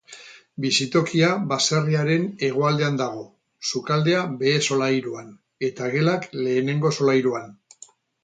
Bizitokia baserriaren hegoaldean dago: sukaldea behe-solairuan eta gelak lehenengo solairuan.